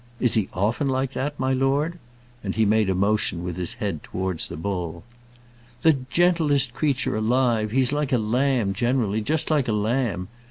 "Is he often like that, my lord?" And he made a motion with his head towards the bull. "The gentlest creature alive; he's like a lamb generally just like a lamb.